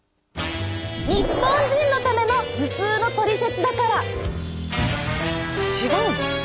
日本人のための頭痛のトリセツだから。